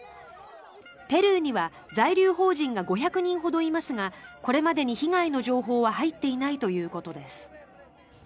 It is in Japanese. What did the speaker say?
ペルーには在留邦人が５００人ほどいますがこれまで被害の情報は入っていないということです。